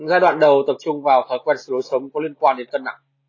giai đoạn đầu tập trung vào thói quen sự đối sống có liên quan đến cân nặng